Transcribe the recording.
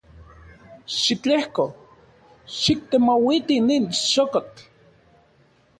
Xitlejko xiktemouiti nin xokotl.